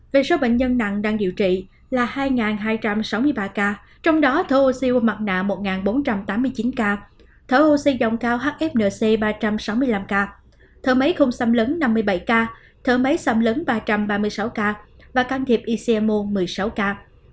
về số bệnh nhân nặng đang điều trị là hai hai trăm sáu mươi ba ca trong đó thở oxyo mặt nạ một bốn trăm tám mươi chín ca thở oxy dòng cao hfnc ba trăm sáu mươi năm ca thở máy không xâm lấn năm mươi bảy ca thở máy xâm lớn ba trăm ba mươi sáu ca và can thiệp icmo một mươi sáu ca